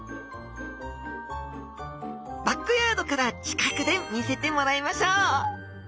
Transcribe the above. バックヤードから近くで見せてもらいましょう！